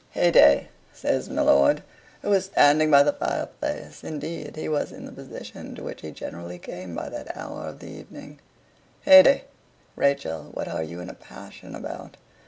"Hey day!" says my lord, who was standing by the fireplace indeed he was in the position to which he generally came by that hour of the evening "Hey day! Rachel, what are you in a passion about?